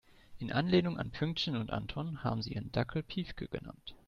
In Anlehnung an Pünktchen und Anton haben sie ihren Dackel Piefke genannt.